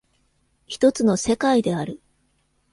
一つの世界である。